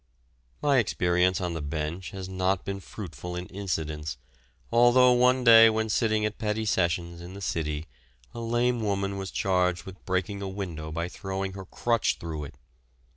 My experience on the bench has not been fruitful in incidents, although one day when sitting at Petty Sessions in the city a lame woman was charged with breaking a window by throwing her crutch through it.